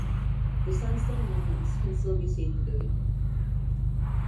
The sandstone remnants can still be seen today.